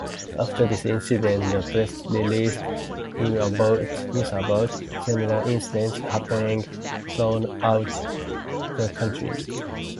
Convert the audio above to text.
After this incident the press released news about similar incidents happening throughout the country.